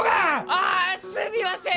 ああすみません！